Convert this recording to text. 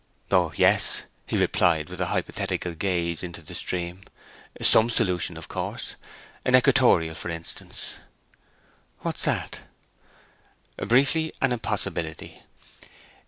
'O yes,' he replied, with a hypothetical gaze into the stream; 'some solution of course an equatorial, for instance.' 'What's that?' 'Briefly, an impossibility.